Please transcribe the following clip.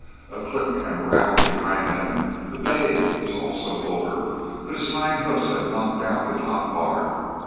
A click and a rattle behind them the bay was also over, but his hind hoofs had knocked down the top bar.